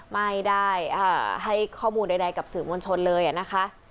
ไม่ได้ให้ข้อมูลใดกับสื่อมวลชนเลยนะคะ